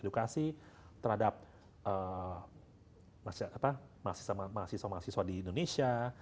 edukasi terhadap mahasiswa mahasiswa di indonesia